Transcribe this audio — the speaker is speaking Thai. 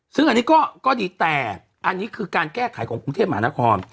ซึ่งอันนี้ก็ดีแต่อันนี้คือการแก้ไขของกรุงเทพมหานคร